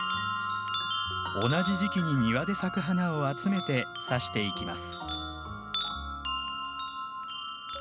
同じ時期に庭で咲く花を集めて挿していきます。